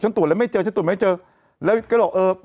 ตรวจแล้วไม่เจอฉันตรวจไม่เจอแล้วก็บอกเออ